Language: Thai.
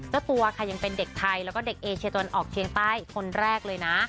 เจ้าตัวค่ะยังเป็นเด็กไทยแล้วก็เด็กเอเชียตะวันออกเชียงใต้คนแรกเลยนะ